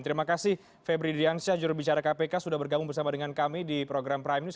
terima kasih febri diansyah jurubicara kpk sudah bergabung bersama dengan kami di program prime news